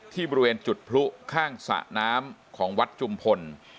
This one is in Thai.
บริเวณจุดพลุข้างสระน้ำของวัดจุมพล